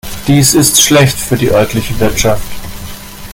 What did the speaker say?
Dies ist schlecht für die örtliche Wirtschaft.